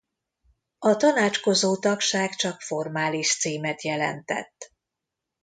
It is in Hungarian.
A tanácskozó tagság csak formális címet jelentett.